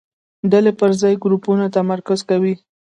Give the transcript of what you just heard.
ډلې پر ځای ګروپونو تمرکز کوي.